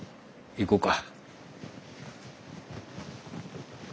行こうか。